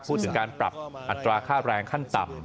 พูดถึงการปรับอัตราค่าแรงขั้นต่ำ